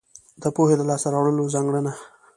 د پوهې د لاس ته راوړلو ځانګړنه.